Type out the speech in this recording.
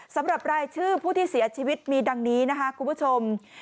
สำหรับรายชื่อผู้ที่เสียชีวิตมีดังนี้นะคะคุณผู้ชม